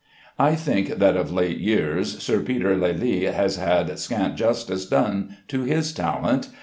I think that of late years Sir Peter Lely has had scant justice done to his talent.